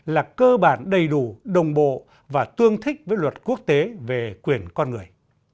là cơ bản đầy đủ đồng bộ và tương thích với luật quốc tế về quyền con người